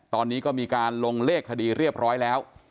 ตอนนี้ก็มีการลงเลขคดีเรียบร้อยแล้ว